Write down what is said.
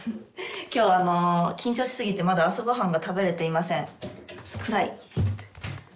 今日あの緊張しすぎてまだ朝ごはんが食べれていません。